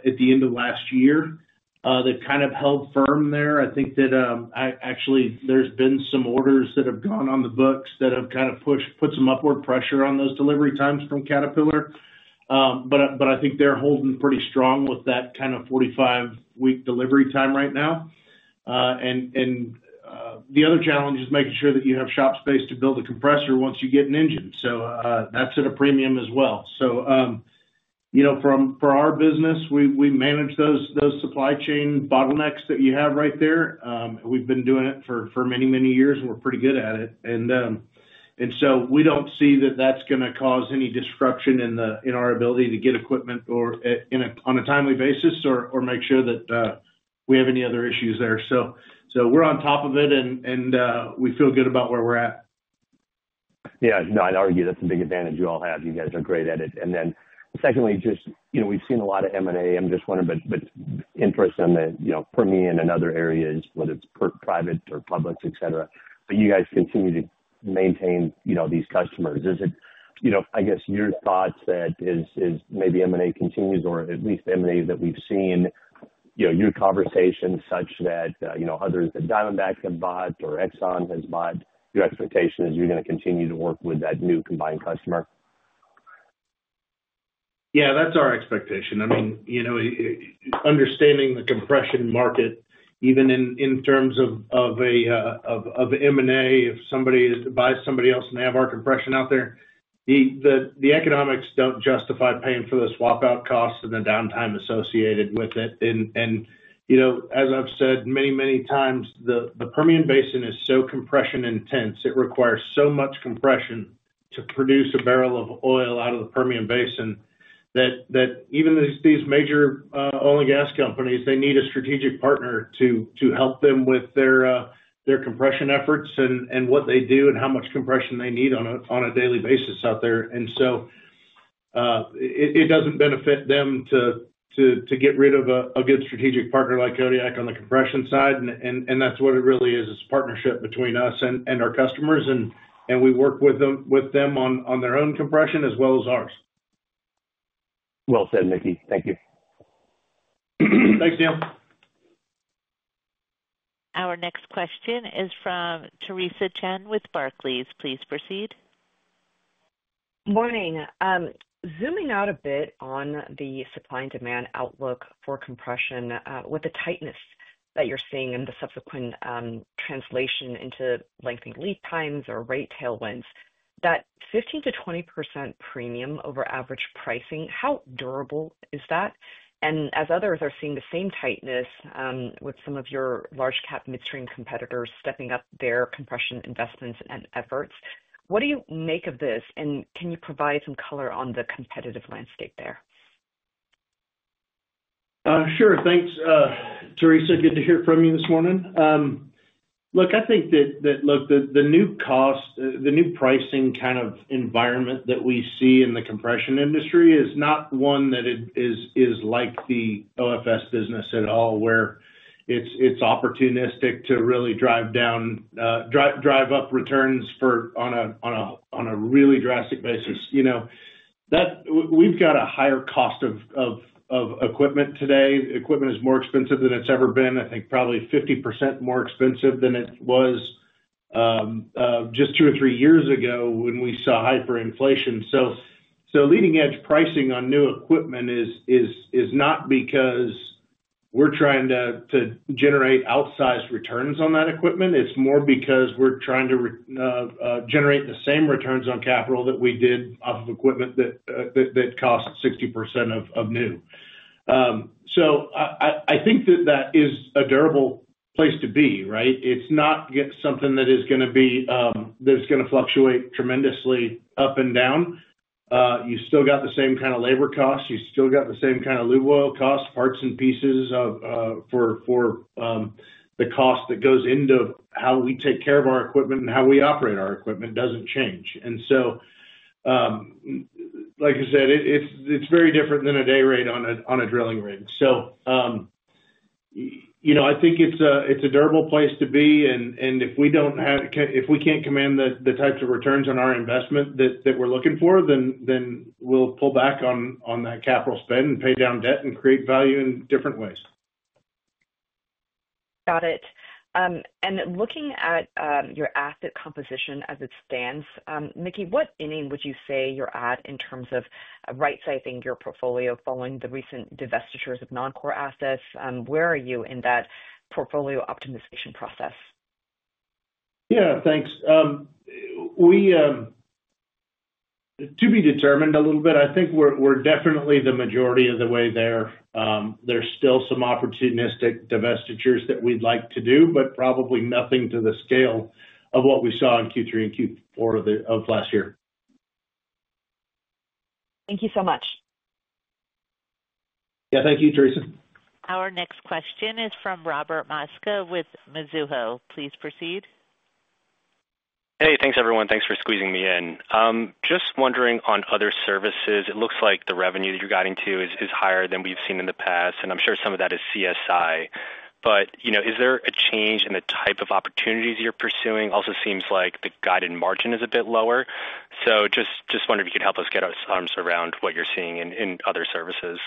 at the end of last year that kind of held firm there. I think that actually there's been some orders that have gone on the books that have kind of put some upward pressure on those delivery times from Caterpillar. But I think they're holding pretty strong with that kind of 45-week delivery time right now. And the other challenge is making sure that you have shop space to build a compressor once you get an engine. So that's at a premium as well. So for our business, we manage those supply chain bottlenecks that you have right there. We've been doing it for many, many years, and we're pretty good at it. And so we don't see that that's going to cause any disruption in our ability to get equipment on a timely basis or make sure that we have any other issues there. So we're on top of it, and we feel good about where we're at. Yeah. No, I'd argue that's a big advantage you all have. You guys are great at it. And then secondly, just we've seen a lot of M&A. I'm just wondering about interest in the Permian and other areas, whether it's private or public, etc., but you guys continue to maintain these customers. I guess your thoughts are that as maybe M&A continues, or at least M&A that we've seen, your sense is such that others that Diamondback have bought or Exxon has bought, your expectation is you're going to continue to work with that new combined customer? Yeah, that's our expectation. I mean, understanding the compression market, even in terms of M&A, if somebody buys somebody else and they have our compression out there, the economics don't justify paying for the swap-out costs and the downtime associated with it. And as I've said many, many times, the Permian Basin is so compression-intense. It requires so much compression to produce a barrel of oil out of the Permian Basin that even these major oil and gas companies, they need a strategic partner to help them with their compression efforts and what they do and how much compression they need on a daily basis out there. And so it doesn't benefit them to get rid of a good strategic partner like Kodiak on the compression side. And that's what it really is. It's a partnership between us and our customers, and we work with them on their own compression as well as ours. Well said, Mickey. Thank you. Thanks, Neil. Our next question is from Theresa Chen with Barclays. Please proceed. Morning. Zooming out a bit on the supply and demand outlook for compression with the tightness that you're seeing in the subsequent translation into lengthening lead times or rate tailwinds, that 15%-20% premium over average pricing, how durable is that? And as others are seeing the same tightness with some of your large-cap midstream competitors stepping up their compression investments and efforts, what do you make of this? And can you provide some color on the competitive landscape there? Sure. Thanks, Teresa. Good to hear from you this morning. Look, I think that, look, the new cost, the new pricing kind of environment that we see in the compression industry is not one that is like the OFS business at all, where it's opportunistic to really drive up returns on a really drastic basis. We've got a higher cost of equipment today. Equipment is more expensive than it's ever been. I think probably 50% more expensive than it was just two or three years ago when we saw hyperinflation. So leading-edge pricing on new equipment is not because we're trying to generate outsized returns on that equipment. It's more because we're trying to generate the same returns on capital that we did off of equipment that cost 60% of new. So I think that that is a durable place to be, right? It's not something that is going to be that's going to fluctuate tremendously up and down. You still got the same kind of labor costs. You still got the same kind of lube oil costs, parts and pieces for the cost that goes into how we take care of our equipment and how we operate our equipment doesn't change. And so, like I said, it's very different than a day rate on a drilling rate. So I think it's a durable place to be. And if we can't command the types of returns on our investment that we're looking for, then we'll pull back on that capital spend and pay down debt and create value in different ways. Got it. Looking at your asset composition as it stands, Mickey, what inning would you say you're at in terms of right-sizing your portfolio following the recent divestitures of non-core assets? Where are you in that portfolio optimization process? Yeah. Thanks. To be determined a little bit. I think we're definitely the majority of the way there. There's still some opportunistic divestitures that we'd like to do, but probably nothing to the scale of what we saw in Q3 and Q4 of last year. Thank you so much. Yeah. Thank you, Teresa. Our next question is from Robert Mosca with Mizuho. Please proceed. Hey, thanks, everyone. Thanks for squeezing me in. Just wondering on other services, it looks like the revenue that you're guiding to is higher than we've seen in the past. And I'm sure some of that is CSI. But is there a change in the type of opportunities you're pursuing? Also seems like the guided margin is a bit lower. So just wondering if you could help us get our arms around what you're seeing in other services.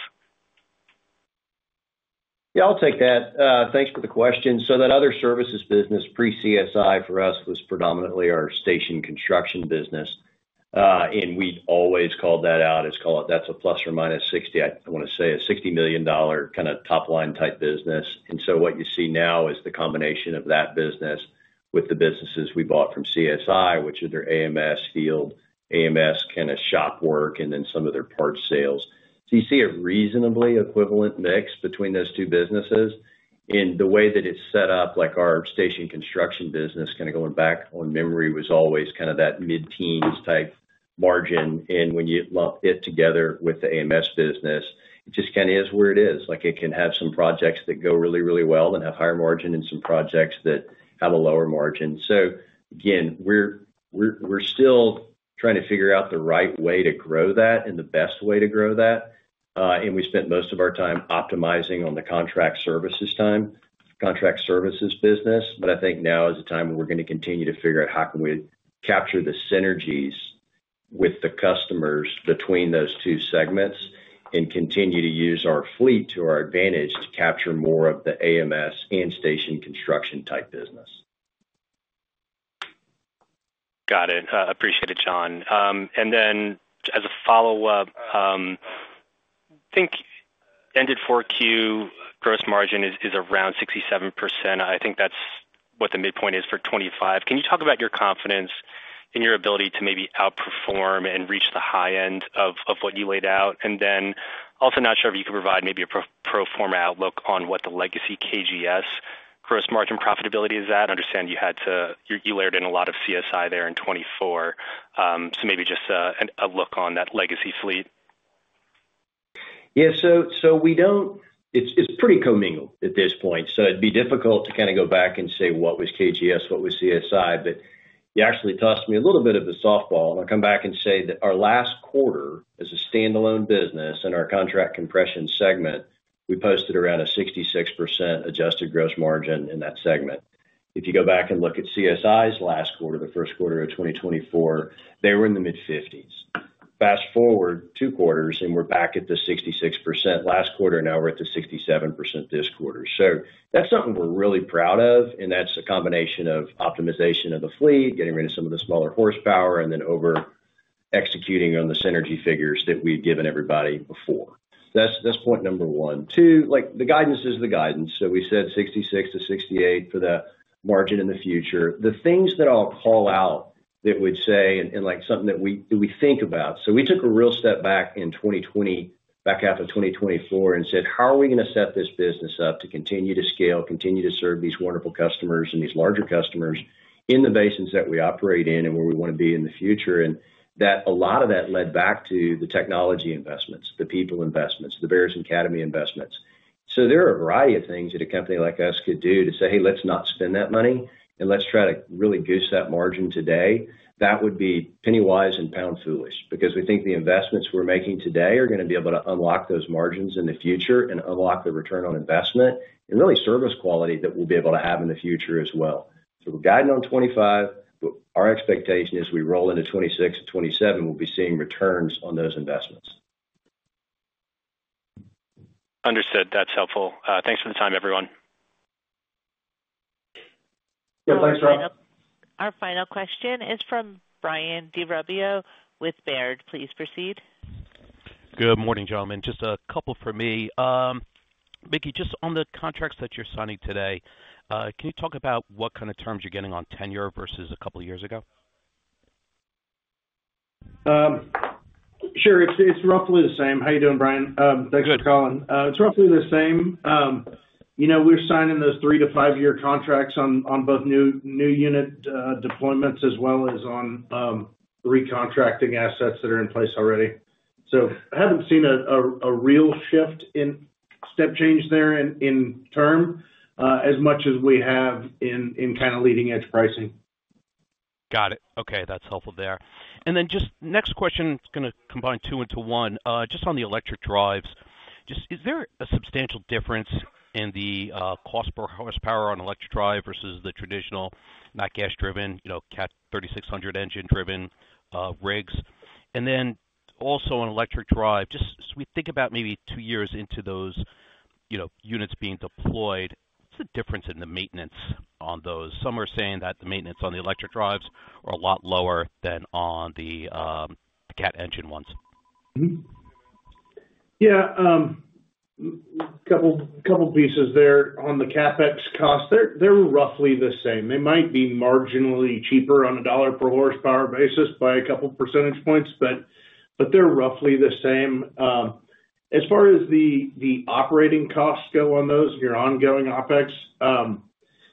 Yeah, I'll take that. Thanks for the question. So that other services business pre-CSI for us was predominantly our station construction business. And we've always called that out as that's a plus or minus 60, I want to say a $60 million kind of top-line type business. And so what you see now is the combination of that business with the businesses we bought from CSI, which are their AMS field, AMS kind of shop work, and then some of their parts sales. So you see a reasonably equivalent mix between those two businesses. And the way that it's set up, like our station construction business, kind of going back on memory, was always kind of that mid-teens type margin. And when you lump it together with the AMS business, it just kind of is where it is. It can have some projects that go really, really well and have higher margin and some projects that have a lower margin. So again, we're still trying to figure out the right way to grow that and the best way to grow that. And we spent most of our time optimizing on the contract services, contract services business. But I think now is the time where we are going to continue to figure out how we can capture the synergies with the customers between those two segments and continue to use our fleet to our advantage to capture more of the AMS and station construction type business. Got it. Appreciate it, John. And then as a follow-up, I think end of Q4 gross margin is around 67%. I think that is what the midpoint is for 2025. Can you talk about your confidence in your ability to maybe outperform and reach the high end of what you laid out? And then also, not sure if you could provide maybe a pro forma outlook on what the legacy KGS gross margin profitability is at. I understand you had, you layered in a lot of CSI there in 2024. So maybe just a look on that legacy fleet. Yeah. So it's pretty commingled at this point. So it'd be difficult to kind of go back and say, "What was KGS? What was CSI?" But you actually tossed me a little bit of a softball. And I'll come back and say that our last quarter as a standalone business in our contract compression segment, we posted around a 66% adjusted gross margin in that segment. If you go back and look at CSI's last quarter, the first quarter of 2024, they were in the mid-50s%. Fast forward two quarters, and we're back at the 66% last quarter. Now we're at the 67% this quarter. So that's something we're really proud of. And that's a combination of optimization of the fleet, getting rid of some of the smaller horsepower, and then over-executing on the synergy figures that we've given everybody before. That's point number one. Two, the guidance is the guidance. We said 66%-68% for the margin in the future. The things that I'll call out that would say, and something that we think about. We took a real step back in 2020, back half of 2024, and said, "How are we going to set this business up to continue to scale, continue to serve these wonderful customers and these larger customers in the basins that we operate in and where we want to be in the future?" A lot of that led back to the technology investments, the people investments, the BEARS Academy investments. So there are a variety of things that a company like us could do to say, "Hey, let's not spend that money, and let's try to really goose that margin today." That would be penny-wise and pound-foolish because we think the investments we're making today are going to be able to unlock those margins in the future and unlock the return on investment and really service quality that we'll be able to have in the future as well. So we're guiding on 2025, but our expectation is we roll into 2026 and 2027, we'll be seeing returns on those investments. Understood. That's helpful. Thanks for the time, everyone. Yeah. Thanks, Rob. Our final question is from Brian DiRubbio with Baird. Please proceed. Good morning, gentlemen. Just a couple for me. Mickey, just on the contracts that you're signing today, can you talk about what kind of terms you're getting on tenure versus a couple of years ago? Sure. It's roughly the same. How are you doing, Brian? Thanks for calling. It's roughly the same. We're signing those three-to-five-year contracts on both new unit deployments as well as on recontracting assets that are in place already. So I haven't seen a real shift in step change there in term as much as we have in kind of leading-edge pricing. Got it. Okay. That's helpful there. And then just next question, it's going to combine two into one. Just on the electric drives, is there a substantial difference in the cost per horsepower on electric drive versus the traditional nat gas-driven, CAT 3600 engine-driven rigs? And then also on electric drive, just as we think about maybe two years into those units being deployed, what's the difference in the maintenance on those? Some are saying that the maintenance on the electric drives are a lot lower than on the CAT engine ones. Yeah. A couple of pieces there on the CapEx cost. They're roughly the same. They might be marginally cheaper on a dollar per horsepower basis by a couple of percentage points, but they're roughly the same. As far as the operating costs go on those, your ongoing OpEx,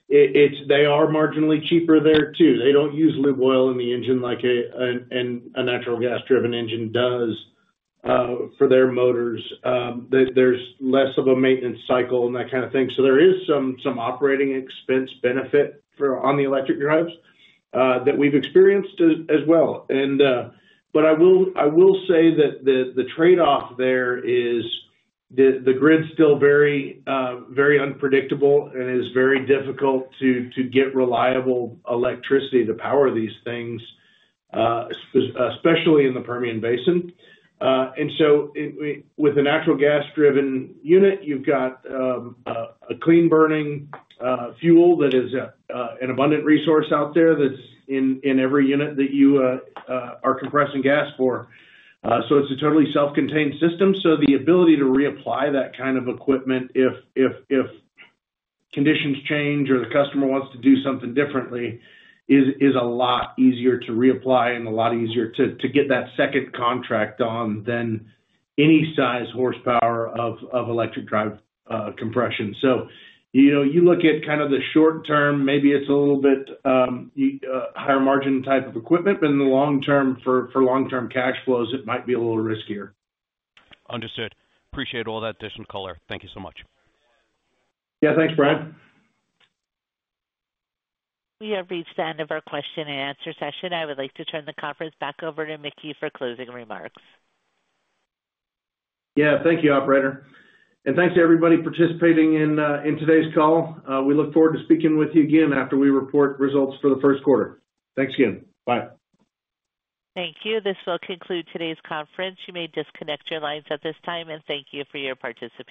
they are marginally cheaper there too. They don't use lube oil in the engine like a natural gas-driven engine does for their motors. There's less of a maintenance cycle and that kind of thing. So there is some operating expense benefit on the electric drives that we've experienced as well. But I will say that the trade-off there is the grid's still very unpredictable and it is very difficult to get reliable electricity to power these things, especially in the Permian Basin. And so with a natural gas-driven unit, you've got a clean burning fuel that is an abundant resource out there that's in every unit that you are compressing gas for. So it's a totally self-contained system. So the ability to reapply that kind of equipment if conditions change or the customer wants to do something differently is a lot easier to reapply and a lot easier to get that second contract on than any size horsepower of electric drive compression. So you look at kind of the short term, maybe it's a little bit higher margin type of equipment, but in the long term for long-term cash flows, it might be a little riskier. Understood. Appreciate all that additional color. Thank you so much. Yeah. Thanks, Brian. We have reached the end of our question and answer session. I would like to turn the conference back over to Mickey for closing remarks. Yeah. Thank you, operator. And thanks to everybody participating in today's call. We look forward to speaking with you again after we report results for the first quarter. Thanks again. Bye. Thank you. This will conclude today's conference. You may disconnect your lines at this time. And thank you for your participation.